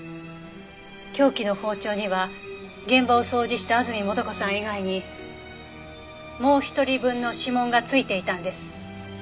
凶器の包丁には現場を掃除した安積素子さん以外にもう１人分の指紋が付いていたんです。